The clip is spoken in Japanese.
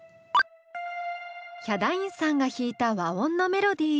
ヒャダインさんが弾いた和音のメロディー。